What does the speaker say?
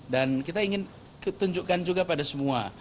dan kita ingin tunjukkan juga pada semua